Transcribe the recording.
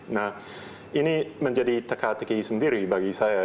nah ini menjadi teka teki sendiri bagi saya